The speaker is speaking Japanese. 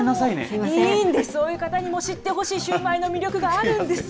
いいんです、そういう方にも知ってほしいシューマイの魅力があるんです。